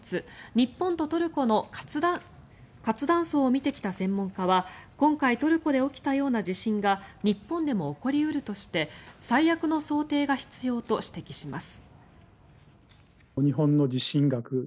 日本とトルコの活断層を見てきた専門家は今回トルコで起きたような地震が日本でも起こり得るとして最悪の想定が必要と指摘します。